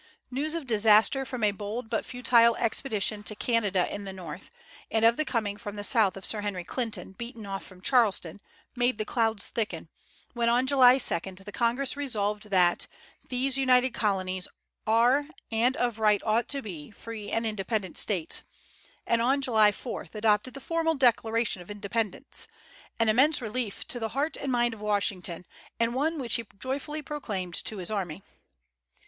News of disaster from a bold but futile expedition to Canada in the North, and of the coming from the South of Sir Henry Clinton, beaten off from Charleston, made the clouds thicken, when on July 2 the Congress resolved that "these United Colonies are, and of right ought to be, free and independent States," and on July 4 adopted the formal Declaration of Independence, an immense relief to the heart and mind of Washington, and one which he joyfully proclaimed to his army.